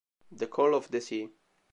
The Call of the Sea